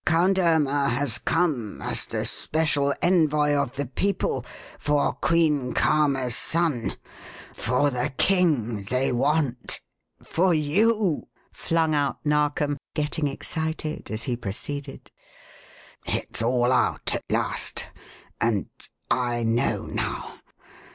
Count Irma has come, as the special envoy of the people, for Queen Karma's son! For the King they want! For you!" flung out Narkom, getting excited as he proceeded. "It's all out at last and I know now.